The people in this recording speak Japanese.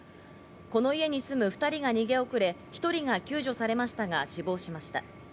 この家に住む２人が逃げ遅れ、１人が救助されましたが死亡しました。